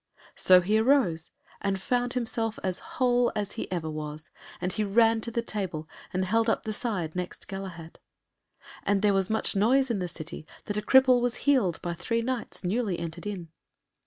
So he arose and found himself as whole as ever he was, and he ran to the table and held up the side next Galahad. And there was much noise in the city that a cripple was healed by three Knights newly entered in.